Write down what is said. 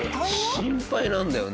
心配なんだよね。